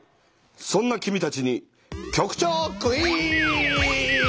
そんな君たちに局長クイズ！